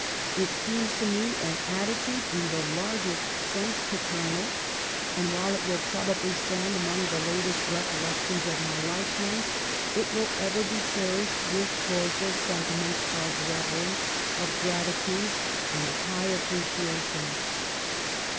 It seems to me an attitude in the largest sense paternal, and while it will probably stand among the latest recollections of my lifetime, it will ever be cherished with cordial sentiments of reverence. 4i6 THE STORY OF GLADSTONE'S LIFE of gratitude, and of high appreciation."